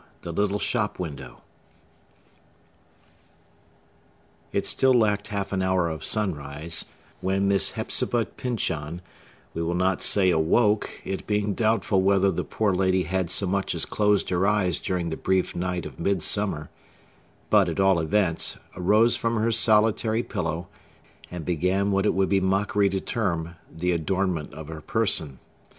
The Little Shop Window It still lacked half an hour of sunrise, when Miss Hepzibah Pyncheon—we will not say awoke, it being doubtful whether the poor lady had so much as closed her eyes during the brief night of midsummer—but, at all events, arose from her solitary pillow, and began what it would be mockery to term the adornment of her person.